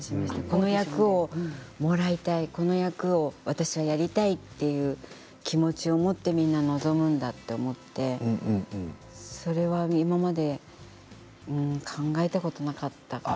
この役をもらいたいこの役を私はやりたいという気持ちを持ってみんな臨むんだと思ってそれは今まで考えたことなかったから。